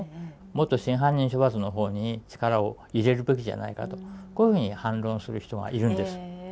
もっと真犯人処罰の方に力を入れるべきじゃないかとこういうふうに反論する人がいるんです。